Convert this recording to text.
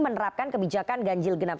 menerapkan kebijakan ganjil genap